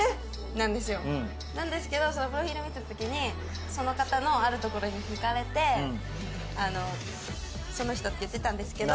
なんですけどそのプロフィールを見た時にその方のあるところに引かれてその人って言ってたんですけど。